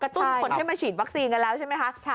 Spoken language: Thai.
ตุ้นคนให้มาฉีดวัคซีนกันแล้วใช่ไหมคะ